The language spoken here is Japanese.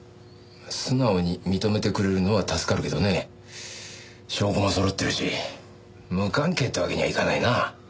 素直に認めてくれるのは助かるけどね証拠も揃ってるし無関係ってわけにはいかないな。